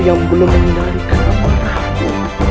yang belum mengendalikan amarahku